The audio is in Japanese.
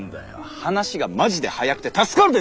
話がマジで早くて助かるぜセンセェ。